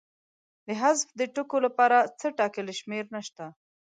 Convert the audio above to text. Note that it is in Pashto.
د حذف د ټکو لپاره څه ټاکلې شمېر نشته.